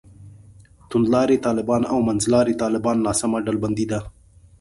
توندلاري طالبان او منځلاري طالبان ناسمه ډلبندي ده.